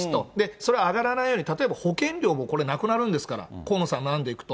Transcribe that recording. それは上がらないように、例えば保険料もこれ、なくなるんですから、河野さんの案でいくと。